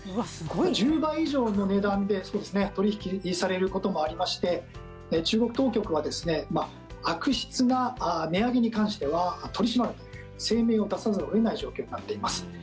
１０倍以上の値段で取引されることもありまして中国当局は悪質な値上げに関しては取り締まるという声明を出さざるを得ない状況になっています。